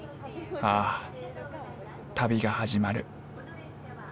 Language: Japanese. あ旅が始まる。